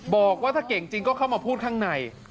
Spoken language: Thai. บอกว่าถ้าเก่งจริงก็เข้ามาพูดข้างใน